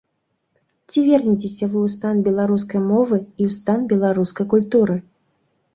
Ці вернецеся вы ў стан беларускай мовы і ў стан беларускай культуры?